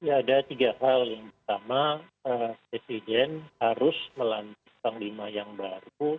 ada tiga hal yang pertama presiden harus melantik panglima yang baru